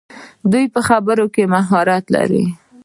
دوی په خبرو کې مهارت لري.